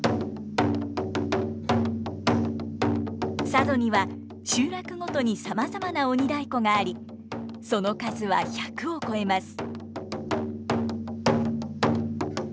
佐渡には集落ごとにさまざまな鬼太鼓がありその数は１００を超えます。